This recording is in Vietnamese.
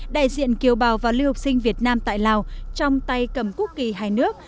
đại diện kiều bào và lưu học sinh việt nam tại lào trong tay cầm quốc kỳ hai nước